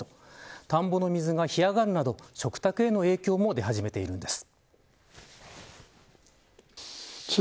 田んぼの水が干上がるなど食卓への影響も出始めているんです。